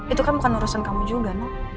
itu kan bukan urusan kamu juga nak